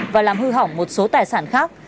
và làm hư hỏng một số tài sản khác